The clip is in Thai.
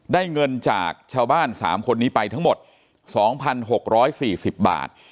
ได้เงินจากชาวบ้าน๓คนนี้ไปทั้งหมด๒๖๔๐บาท